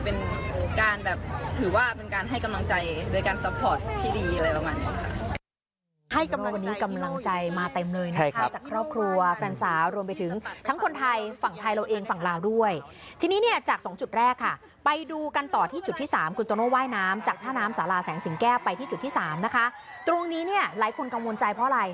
เป็นโอกาสแบบถือว่าเป็นการให้กำลังใจ